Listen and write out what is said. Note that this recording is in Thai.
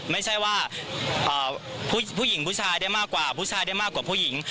ไม่ใช่ว่าผู้หญิงผู้ชายได้มากกว่าผู้ชายได้มากกว่าผู้หญิง